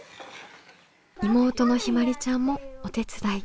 妹のひまりちゃんもお手伝い。